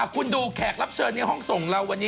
คุณดูแขกรับเชิญในห้องส่งเราวันนี้